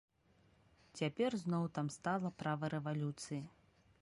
Цяпер зноў там стала права рэвалюцыі.